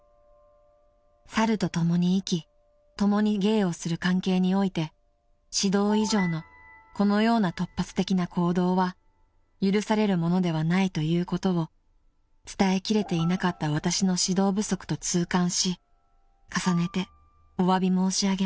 ［「猿と共に生き共に芸をする関係において指導以上のこのような突発的な行動は許されるものではないということを伝えきれていなかった私の指導不足と痛感し重ねてお詫び申し上げます」］